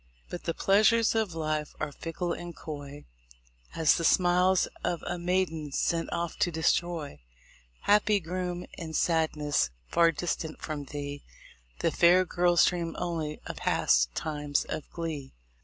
But the pleasures of life are fickle and coy As the smiles of a maiden sent off to destroy. Happy groom! in sadness far distant from thee The fair girls dream only of past times of glee THE LIFE OF LINCOLN.